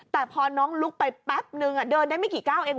แต่พอน้องลุกไปแป๊บนึงเดินได้ไม่กี่ก้าวเอง